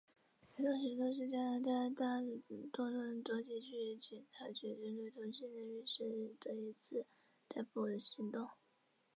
肥皂行动是加拿大大多伦多地区警察局针对同性恋浴室的一次逮捕行动。